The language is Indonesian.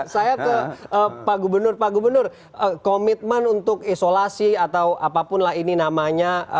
saya ke pak gubernur pak gubernur komitmen untuk isolasi atau apapun lah ini namanya